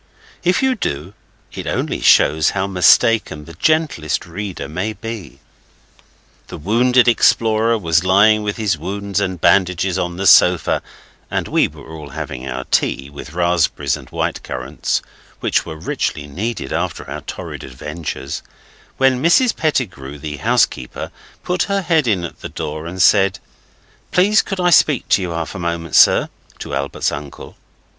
If you do, it only shows how mistaken the gentlest reader may be. The wounded explorer was lying with his wounds and bandages on the sofa, and we were all having our tea, with raspberries and white currants, which we richly needed after our torrid adventures, when Mrs Pettigrew, the housekeeper, put her head in at the door and said 'Please could I speak to you half a moment, sir?' to Albert's uncle.